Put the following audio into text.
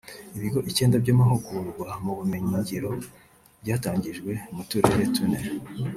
Ibigo icyenda by’amahugurwa mu bumenyi ngiro byatangijwe mu Turere tune